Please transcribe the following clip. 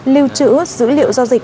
lưu trữ dữ liệu giao dịch